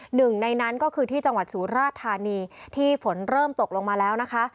หนึ่งในนั้นก็คือที่จังหวัดสุราชธานีที่ฝนเริ่มตกลงมาแล้วนะคะ